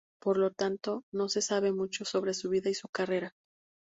Por lo tanto, no se sabe mucho sobre su vida y su carrera.